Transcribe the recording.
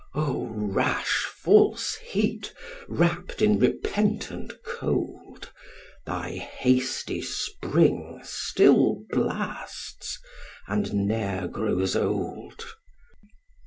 O rash false heat, wrapp'd in repentant cold, Thy hasty spring still blasts, and ne'er grows old!